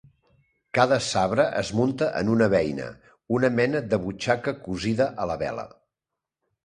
Cada sabre es munta en una beina, una mena de butxaca cosida a la vela.